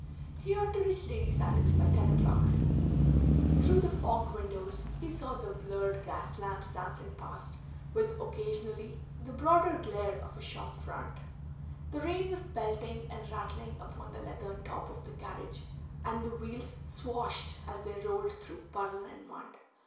He ought to reach Lady Sannox by ten o'clock. Through the fogged windows he saw the blurred gas lamps dancing past, with occasionally the broader glare of a shop front. The rain was pelting and rattling upon the leathern top of the carriage and the wheels swashed as they rolled through puddle and mud.